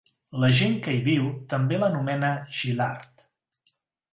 La gent que hi viu també l'anomena Jilard.